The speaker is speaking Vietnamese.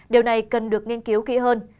điều này cần được nghiên cứu kỹ hơn